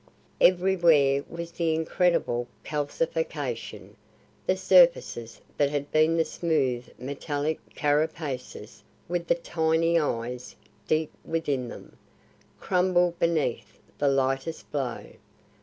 Everywhere was the incredible calcification. The surfaces that had been the smooth metallic carapaces with the tiny eyes deep within them, crumbled beneath the lightest blow.